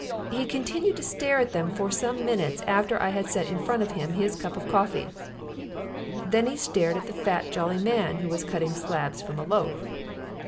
He continued to stare at them for some minutes after I had set in front of him his cup of coffee. Then he stared at the fat, jolly man, who was cutting slabs from a loaf.